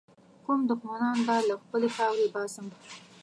کوم دښمنان به له خپلي خاورې باسم.